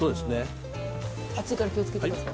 熱いから気をつけてください。